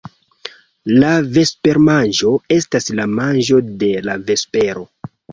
La vespermanĝo estas la manĝo de la vespero.